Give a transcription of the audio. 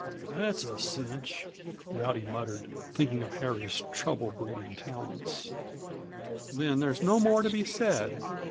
"That's a cinch," Rowdy muttered, thinking of Harry's trouble breeding talents. "Then there's no more to be said.